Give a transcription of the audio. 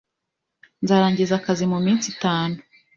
Nzarangiza akazi muminsi itanu.